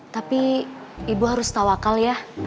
tapi ibu harus tahu akal ya